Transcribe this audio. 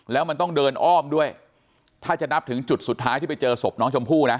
แล้วมันต้องเดินอ้อมด้วยถ้าจะนับถึงจุดสุดท้ายที่ไปเจอศพน้องชมพู่นะ